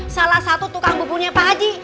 salah satu tukang bubunya pak haji